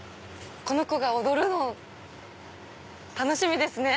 この子が躍るの楽しみですね。